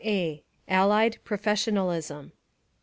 1 A. ( Allied ) —Professionalism.